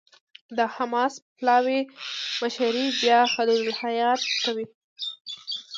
د حماس پلاوي مشري بیا خلیل الحية کوي.